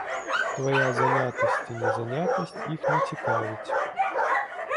Твая занятасць ці не занятасць іх не цікавіць.